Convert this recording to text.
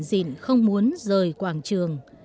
nguyện không muốn rời quảng trường